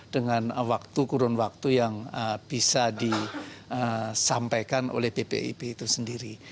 dengan waktu kurun waktu yang bisa disampaikan oleh bpip itu sendiri